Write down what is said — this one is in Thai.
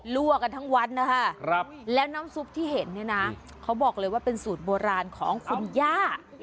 กันทั้งวันนะคะแล้วน้ำซุปที่เห็นเนี่ยนะเขาบอกเลยว่าเป็นสูตรโบราณของคุณย่า